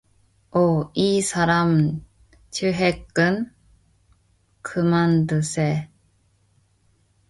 어, 이 사람 취했군, 그만두세.